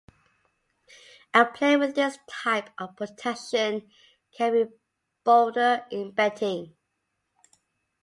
A player with this type of protection can be bolder in betting.